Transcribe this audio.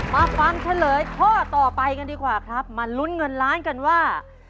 มาฟังเฉลยข้อต่อไปกันดีกว่าครับมาลุ้นเงินล้านกันว่า